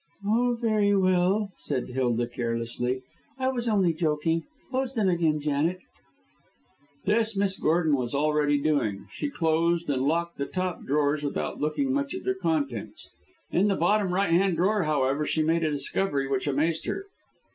"Oh, very well," said Hilda, carelessly. "I was only joking. Close them again, Janet." This Miss Gordon was already doing. She closed and locked the top drawers without looking much at their contents. In the bottom right hand drawer, however, she made a discovery which amazed her.